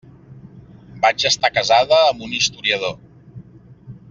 Vaig estar casada amb un historiador.